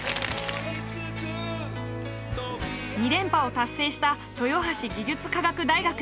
２連覇を達成した豊橋技術科学大学。